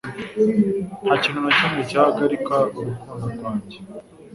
Nta kintu na kimwe cyahagarika urukundo rwanjye